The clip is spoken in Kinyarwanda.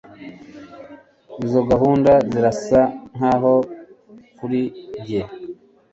Izo gahunda zirasa nkaho kuri njye